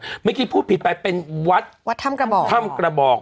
เมื่อกี้พูดผิดไปเป็นวัดวัดธรรมกระบอก